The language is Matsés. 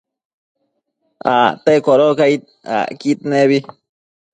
Acte codocaid acquid nebi